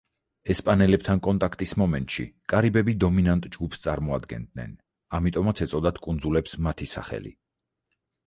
ესპანელებთან კონტაქტის მომენტში კარიბები დომინანტ ჯგუფს წარმოადგენდნენ, ამიტომაც ეწოდათ კუნძულებს მათი სახელი.